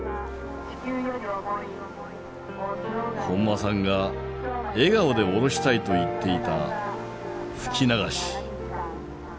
本間さんが笑顔で降ろしたいと言っていた「吹き流し」。